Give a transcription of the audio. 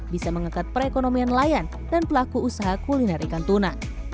bisa mengekat perekonomian layan dan pelaku usaha kuliner ikan tuna